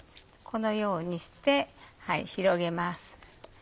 このようにして広げます。